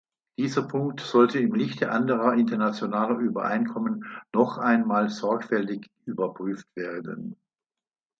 Dieser Punkt sollte im Lichte anderer internationaler Übereinkommen noch einmal sorgfältig überprüft werden.